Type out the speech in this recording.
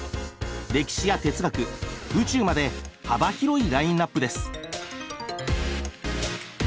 歴史や哲学宇宙まで幅広いラインナップです。